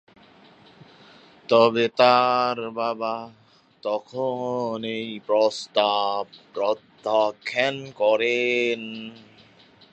তবে তার বাবা তখন এই প্রস্তাব প্রত্যাখ্যান করেন।